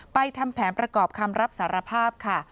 ทำแผนประกอบคำรับสารภาพค่ะ